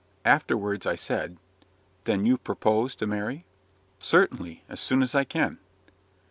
Afterwards, I said "Then you propose to marry?" "Certainly! as soon as I can."